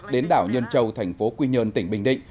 đến đảo nhơn châu thành phố quy nhơn tỉnh bình định